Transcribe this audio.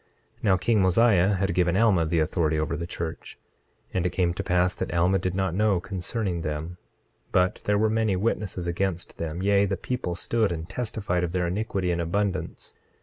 26:8 Now king Mosiah had given Alma the authority over the church. 26:9 And it came to pass that Alma did not know concerning them; but there were many witnesses against them; yea, the people stood and testified of their iniquity in abundance.